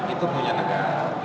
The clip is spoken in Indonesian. itu punya negara